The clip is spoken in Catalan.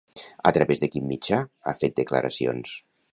A través de quin mitjà ha fet declaracions?